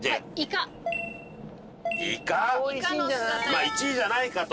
まあ１位じゃないかと。